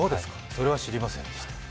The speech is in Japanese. それは知りませんでした。